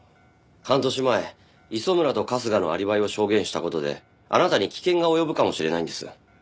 半年前磯村と春日のアリバイを証言した事であなたに危険が及ぶかもしれないんです。